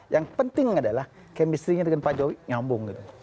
yang penting adalah kemisterinya dengan pak jokowi nyambung gitu